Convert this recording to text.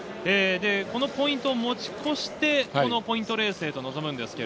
ポイントを持ち越して、このポイントレースへと臨みます。